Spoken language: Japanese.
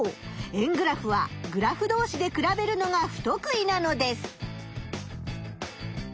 円グラフはグラフどうしで比べるのがふとく意なのです。